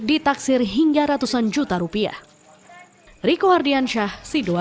ditaksir hingga ratusan juta rupiah